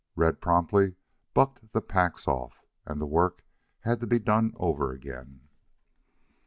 Red promptly bucked the packs off, and the work had to be done over again.